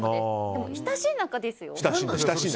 でも親しい仲ですよ。